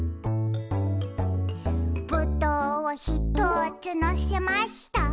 「ぶどうをひとつのせました」